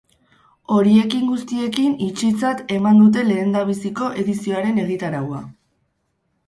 Horiekin guztiekin itxitzat eman dute lehendabiziko edizioaren egitaraua.